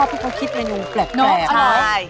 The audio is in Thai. โอ้ชอบที่เขาคิดแบบนี้แปลกเนอะอร่อย